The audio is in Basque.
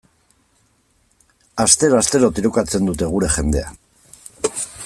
Astero-astero tirokatzen dute gure jendea.